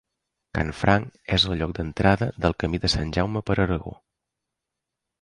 Canfranc és el lloc d'entrada del Camí de Sant Jaume per Aragó.